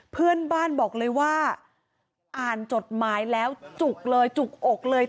เพื่อนบ้านบอกเลยว่าอ่านจดหมายแล้วจุกเลยจุกอกเลย